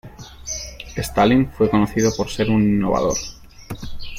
Stalling fue conocido por ser un innovador.